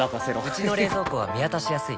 うちの冷蔵庫は見渡しやすい